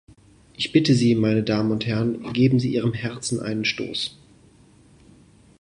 Ich bitte Sie, meine Damen und Herren, geben Sie Ihrem Herzen einen Stoß.